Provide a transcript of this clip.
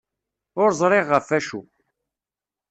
Ur ẓriɣ ɣef acu.